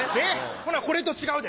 ほなこれと違うで。